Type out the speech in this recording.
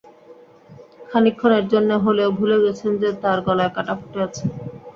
খানিকক্ষণের জন্যে হলেও ভুলে গেছেন যে তাঁর গলায় কাটা ফুটে আছে।